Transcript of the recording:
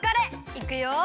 いくよ！